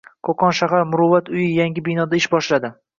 Qo‘qon shahar \Muruvvat\" uyi yangi binoda ish boshlading"